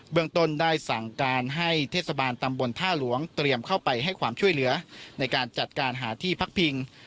เมืองต้นได้สั่งการให้เทศบาลตำบลท่าหลวงเตรียมเข้าไปให้ความช่วยเหลือในการจัดการหาที่พักพิง